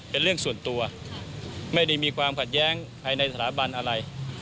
เป็นเรื่องส่วนตัวไม่ได้มีความขัดแย้งภายในสถาบันอะไร